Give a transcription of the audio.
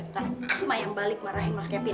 kan asma yang balik marahin mas kevin